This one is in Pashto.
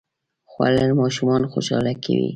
خوړل ماشومان خوشاله کوي